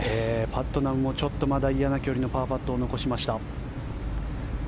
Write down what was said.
パットナムもちょっとまだ嫌な距離のパーパットを残しました。